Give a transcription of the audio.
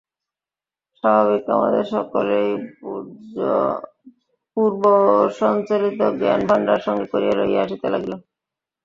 বাস্তবিক আমাদের সকলকেই পূর্বসঞ্চিত জ্ঞানভাণ্ডার সঙ্গে করিয়া লইয়া আসিতে হইয়াছে।